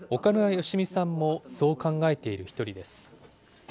好志美さんもそう考えている１人です。